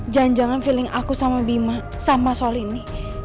jangan jangan feeling aku sama bima sama soal ini